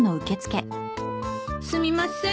すみません。